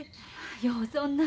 よおそんな。